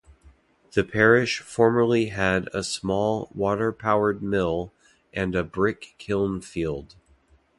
The parish formerly had a small water-powered mill and a brick kiln field.